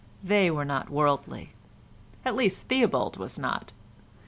They were not worldly. At least Theobald was not.